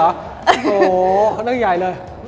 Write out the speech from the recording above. โอ้โหเรื่องใหญ่เลย